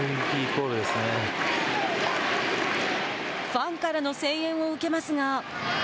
ファンからの声援を受けますが。